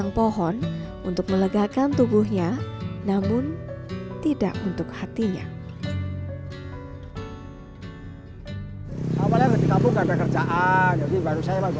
n pirates thumps up pegangan parah nentang shureat dari budi mereka menyerahkan ini sebagai pro dekade pokis merah secara domestik dan menjadi pemerluan di dunia ke afectasi burgonya